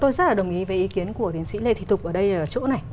tôi rất là đồng ý với ý kiến của tiến sĩ lê thị thục ở đây ở chỗ này